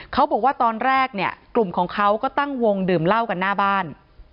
เขาบอกว่าตอนแรกเนี่ยกลุ่มของเขาก็ตั้งวงดื่มเหล้ากันหน้าบ้าน